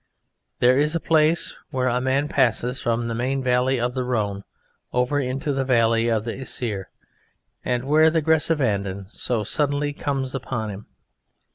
There is a place where a man passes from the main valley of the Rhone over into the valley of the Isère, and where the Grésivandan so suddenly comes upon him.